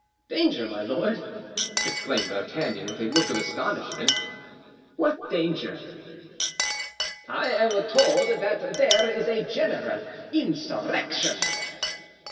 "Danger, my lord!" exclaimed D'Artagnan with a look of astonishment, "what danger?" "I am told that there is a general insurrection."